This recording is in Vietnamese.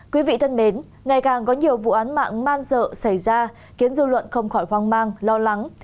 quý vị thân mến ngày càng có nhiều vụ án mạng man dợ xảy ra khiến dư luận không khỏi hoang mang lo lắng